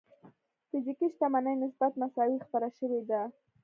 فزيکي شتمنۍ نسبت مساوي خپره شوې ده.